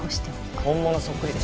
本物そっくりでしょ。